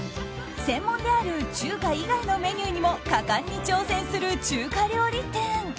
専門である中華以外のメニューにも果敢に挑戦する中華料理店。